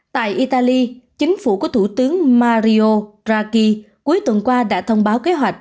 tại italy chính phủ của thủ tướng mario raki cuối tuần qua đã thông báo kế hoạch